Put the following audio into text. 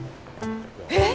えっ！？